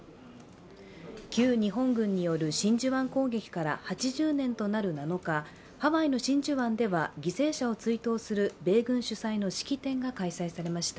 旧日本軍による真珠湾攻撃から８０年となる７日ハワイの真珠湾では犠牲者を追悼する米軍主催の式典が開催されました。